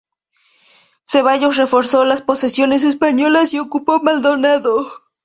Cevallos reforzó las posesiones españolas y ocupó Maldonado.